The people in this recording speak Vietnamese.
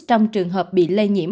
trong trường hợp bị lây nhiễm